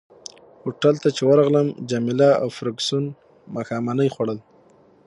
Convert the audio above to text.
هوټل ته چي ورغلم جميله او فرګوسن ماښامنۍ خوړل.